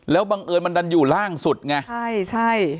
แล้วบังเอิญมันดันอยู่ล่างสุดไงใช่ใช่